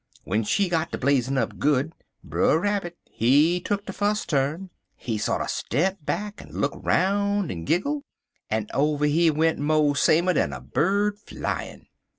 W'en she got ter blazin' up good, Brer Rabbit, he tuck de fus turn. He sorter step back, en look 'roun' en giggle, en over he went mo' samer dan a bird flyin'.